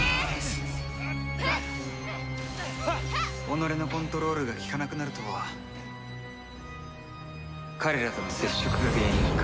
己のコントロールが利かなくなるとは彼らとの接触が原因か。